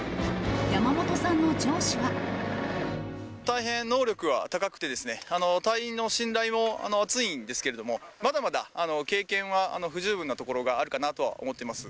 山本さんの上司は。大変能力は高くてですね、隊員の信頼も厚いんですけれども、まだまだ経験は不十分なところがあるかなとは思ってます。